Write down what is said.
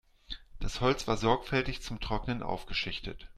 Das Holz war sorgfältig zum Trocknen aufgeschichtet.